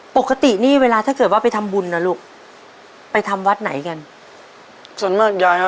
ปกตินี่เวลาถ้าเกิดว่าไปทำบุญนะลูก